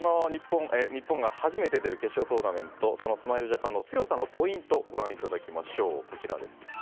日本が初めて出る決勝トーナメントスマイルジャパンの強さのポイントご覧いただきましょう。